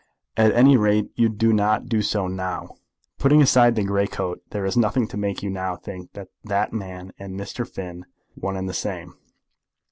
"At any rate you do not do so now? Putting aside the grey coat there is nothing to make you now think that that man and Mr. Finn were one and the same?